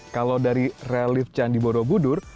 kalau dari relift candi borobudur